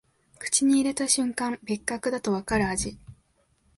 口に入れた瞬間、別格だとわかる味